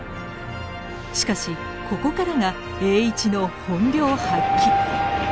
しかしここからが栄一の本領発揮。